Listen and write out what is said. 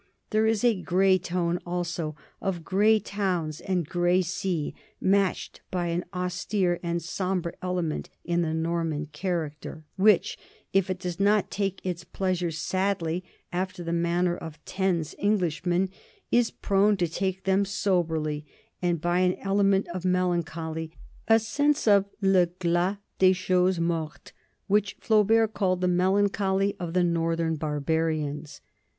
There is a grey tone also, of grey towns and grey sea, matched by an austere and sombre element in the Nor man character, which, if it does not take its pleasures sadly after the manner of Taine's Englishmen, is prone to take them soberly, and by an element of melancholy, a sense of le glas des choses mortes, which Flaubert called the melancholy of the northern barbarians.